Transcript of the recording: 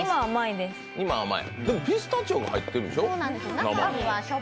でも、ピスタチオが入ってるんでしょう？